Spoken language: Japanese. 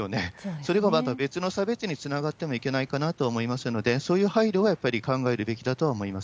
それがまた別の差別につながってもいけないかなと思いますので、そういう配慮はやっぱり考えるべきだと思います。